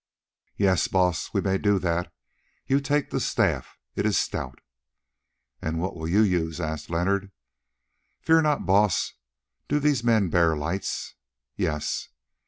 "Yes, Baas, we may do that. You take the staff; it is stout." "And what will you use?" asked Leonard. "Fear not, Baas. Do these men bear lights?" "Yes."